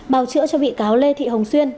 bào chữa cho bị cáo lê thị hồng xuyên